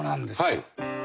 はい。